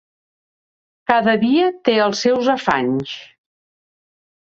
Cada dia té els seus afanys.